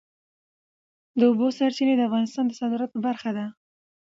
د اوبو سرچینې د افغانستان د صادراتو برخه ده.